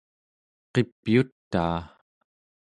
qipyutaa